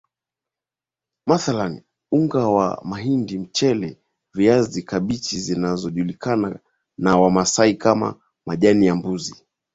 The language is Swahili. mathalani unga wa mahindi mchele viazi kabichi zinazojulikana na Wamasai kama majani ya mbuzi